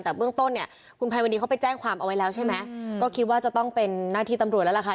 แต่เบื้องต้นเนี่ยคุณภัยวดีเขาไปแจ้งความเอาไว้แล้วใช่ไหมก็คิดว่าจะต้องเป็นหน้าที่ตำรวจแล้วล่ะค่ะ